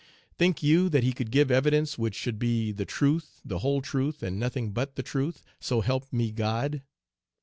Think you that he could give evidence which should be "the truth, the whole truth, and nothing but the truth, so help me God?"